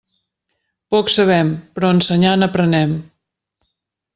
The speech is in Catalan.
Poc sabem, però ensenyant aprenem.